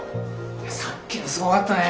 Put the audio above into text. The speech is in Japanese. さっきのすごかったね。